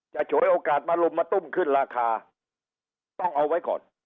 ฉวยโอกาสมาลุมมาตุ้มขึ้นราคาต้องเอาไว้ก่อน